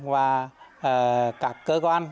và các cơ quan